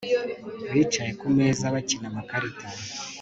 Bicaye kumeza bakina amakarita